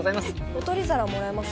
お取り皿もらえます？